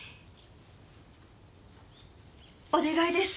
お願いです。